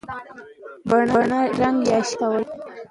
بڼه رنګ یا شکل ته وایي.